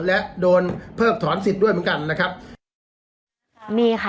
และโดนเพิกถอนสิทธิ์ด้วยเหมือนกันนะครับนี่ค่ะ